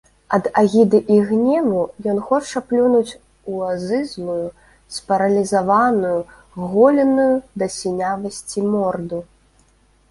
Ад агіды і гневу ён хоча плюнуць у азызлую, спаралізаваную, голеную да сінявасці морду.